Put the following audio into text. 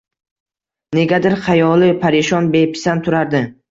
Negadir, xayoli parishon, bepisand turardi